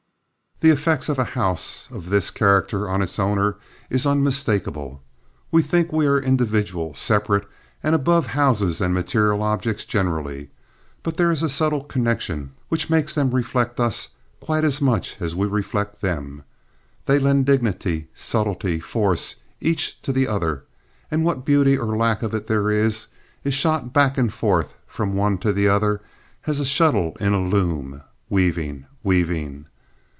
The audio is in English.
The effect of a house of this character on its owner is unmistakable. We think we are individual, separate, above houses and material objects generally; but there is a subtle connection which makes them reflect us quite as much as we reflect them. They lend dignity, subtlety, force, each to the other, and what beauty, or lack of it, there is, is shot back and forth from one to the other as a shuttle in a loom, weaving, weaving.